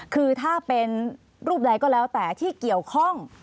คือถ้าเป็นรูปใดก็แล้วแต่ที่เกี่ยวข้อง